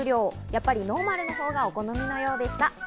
やっぱりノーマルのほうがお好みなようでした。